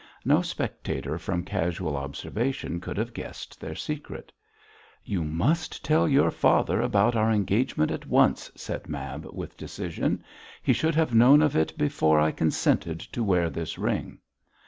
No spectator from casual observation could have guessed their secret. 'You must tell your father about our engagement at once,' said Mab, with decision. 'He should have known of it before I consented to wear this ring.'